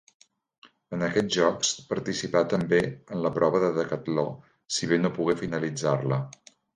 En aquests Jocs participà també en la prova de decatló, si bé no pogué finalitzar-la.